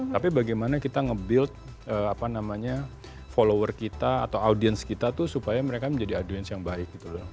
tapi bagaimana kita nge build follower kita atau audience kita tuh supaya mereka menjadi audience yang baik gitu loh